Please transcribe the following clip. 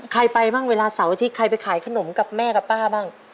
ไปบ้างเวลาเสาร์อาทิตย์ใครไปขายขนมกับแม่กับป้าบ้าง